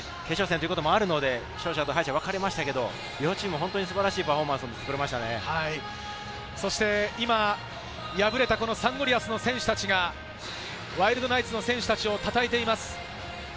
勝者と敗者、分かれましたけど、両チーム非常に素晴らしいパフォーマンスを今、敗れたサンゴリアスの選手たちが、ワイルドナイツの選手たちをたたえています。